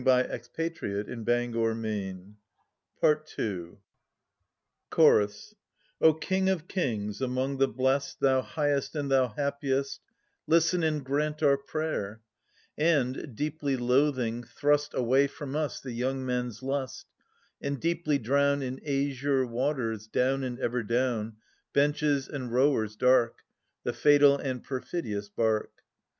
y^ * O King of Kings, among the blest t^ V" Y Thou highest and thou happiest, Listen and grant our prayer, \^ And, deeply loathing, thrust "' Away from us the young men's lust, > And deeply drown In azure waters, down and ever down, Benches and rowers dark. The fatal and perfidious bark